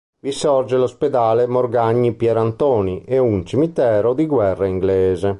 Vi sorge l'ospedale Morgagni Pierantoni e un cimitero di guerra inglese.